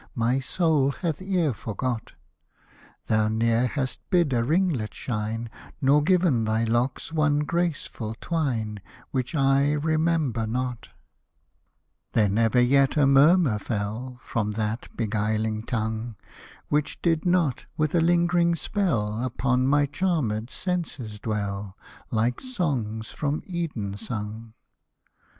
My soul hath e'er forgot ; Thou ne'er hast bid a ringlet shine. Nor given thy locks one graceful twine Which I remember not. Hosted by Google 78 EARLY POEMS, BALLADS, AND SONGS There never yet a murmur fell From that beguUing tongue. Which did not, with a lingering spell, Upon my charmed senses dwell, Like songs from Eden sung.